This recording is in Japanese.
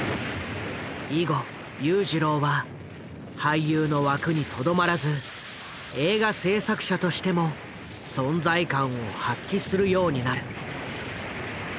以後裕次郎は俳優の枠にとどまらず映画製作者としても存在感を発揮するようになる。